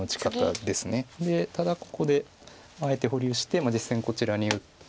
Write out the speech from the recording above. ただここであえて保留して実戦こちらに打って。